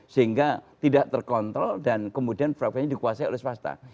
sehingga tidak terkontrol dan kemudian profilnya dikuasai oleh swasta